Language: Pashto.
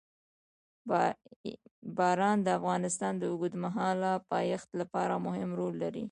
باران د افغانستان د اوږدمهاله پایښت لپاره مهم رول لري.